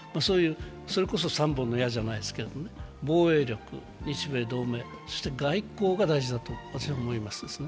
それこそ３本の矢じゃないですけど防衛力、日米同盟、外交が大事だと思います。